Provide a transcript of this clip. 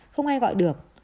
không ai gọi được